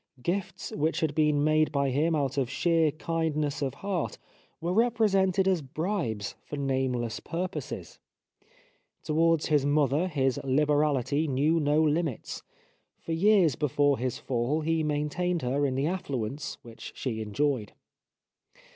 Gifts which had been made by him out of sheer kindness of heart were represented as bribes for nameless purposes. 283 The Life of Oscar Wilde Towards his mother his HberaUty knew no Hmits. For years before his fall he maintained her in the affluence which she enjoyed.